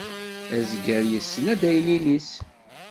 Azger yessen adaynin-is.